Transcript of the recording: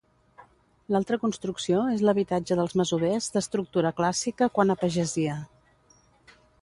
L'altra construcció és l'habitatge dels masovers d'estructura clàssica quant a pagesia.